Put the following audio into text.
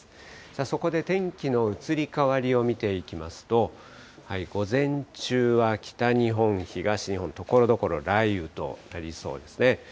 さあ、そこで天気の移り変わりを見ていきますと、午前中は北日本、東日本、ところどころ雷雨となりそうですね。